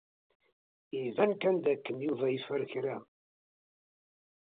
Iban kan dakken Yuba yeffer kra.